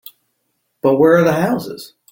But where are the houses?